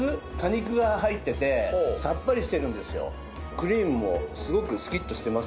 クリームもすごくすきっとしてますよね。